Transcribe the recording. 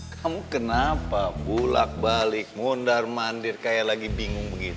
kamu kenapa bulak balik mondar mandir kayak lagi bingung begitu